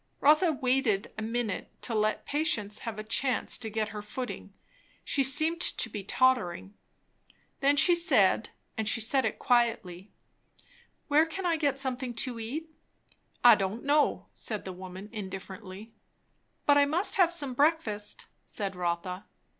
Rotha waited a minute, to let patience have a chance to get her footing; she seemed to be tottering. Then she said, and she said it quietly, "Where can I get something to eat?" "I don' know," said the woman indifferently. "But I must have some breakfast," said Rotha.